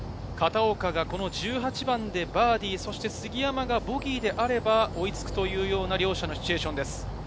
１８番でバーディー、そして杉山がボギーであれば、追いつくという両者のシチュエーションです。